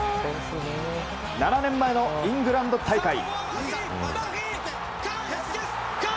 ７年前のイングランド大会。